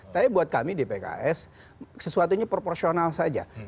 tapi buat kami di pks sesuatunya proporsional saja